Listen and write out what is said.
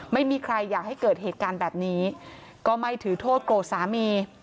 ไม่มีใครอยากให้เกิดเหตุการณ์แบบนี้ก็ไม่ถือโทษโกรธสามี